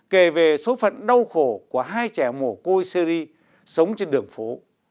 kể về số phận đau khổ của hai trẻ mồ côi series sống trên đường phố